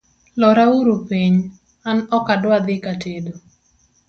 lora uru piny an ok adwa dhi katedo